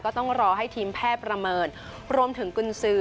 ต้องรอให้ทีมแพทย์ประเมินรวมถึงกุญสือ